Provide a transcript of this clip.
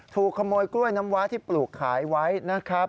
ถูกขโมยกล้วยน้ำว้าที่ปลูกขายไว้นะครับ